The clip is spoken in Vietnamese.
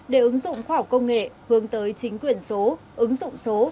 để ứng dụng khoa học công nghệ hướng tới chính quyền số ứng dụng số